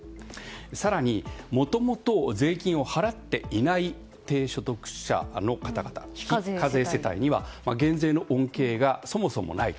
更に、もともと税金を払っていない低所得者の方々非課税世帯には、減税の恩恵がそもそもない。